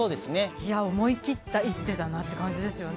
いや思い切った一手だなって感じですよね。